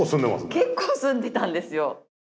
結構住んでたんですよ。